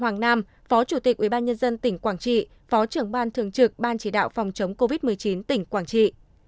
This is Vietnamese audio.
hoàng nam phó chủ tịch ubnd tỉnh quảng trị phó trưởng ban thường trực ban chỉ đạo phòng chống covid một mươi chín tỉnh quảng trị